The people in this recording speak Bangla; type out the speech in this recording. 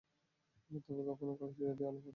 তবে কখনো কালোজিরা দিয়ে আলু ভর্তা খেয়েছেন?